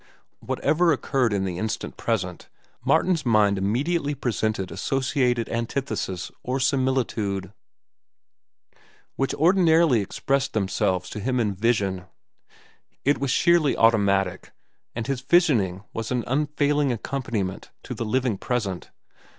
Whatever occurred in the instant present, Martin's mind immediately presented associated antithesis or similitude which ordinarily expressed themselves to him in vision. It was sheerly automatic, and his visioning was an unfailing accompaniment to the living present.